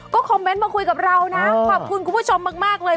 คอมเมนต์มาคุยกับเรานะขอบคุณคุณผู้ชมมากเลย